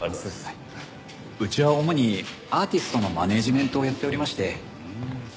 うちは主にアーティストのマネジメントをやっておりまして。